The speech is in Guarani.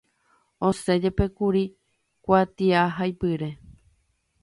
Osẽjepékuri kuatiahaipyre.